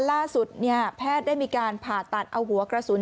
ล่าสุดแพทย์ได้มีการผ่าตัดเอาหัวกระสุน